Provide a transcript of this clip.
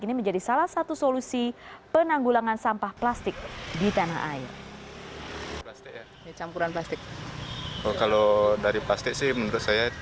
ini menjadi salah satu solusi penanggulangan sampah plastik di tanah air